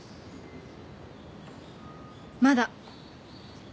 まだ。